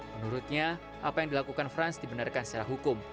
menurutnya apa yang dilakukan franz dibenarkan secara hukum